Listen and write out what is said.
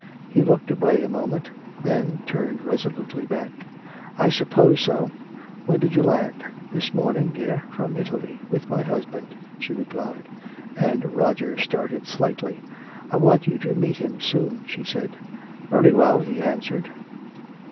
He looked away a moment, but turned resolutely back: "I suppose so. When did you land?" "This morning, dear, from Italy with my husband," she replied. And Roger started slightly. "I want you to meet him soon," she said. "Very well," he answered.